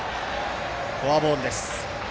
フォアボールです。